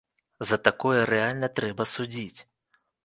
За такое рэальна трэба судзіць.